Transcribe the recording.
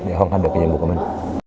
để hoàn thành được cái nhiệm vụ của mình